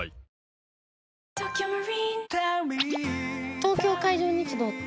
東京海上日動って？